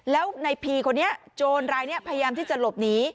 แล้วในพีคนนี้โจรรายนี้พยายามที่จะหลบหนี